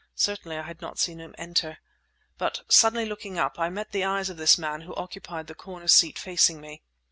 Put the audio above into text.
Certainly, I had not seen him enter. But, suddenly looking up, I met the eyes of this man who occupied the corner seat facing me.